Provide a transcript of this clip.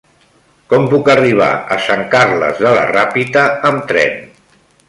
Com puc arribar a Sant Carles de la Ràpita amb tren?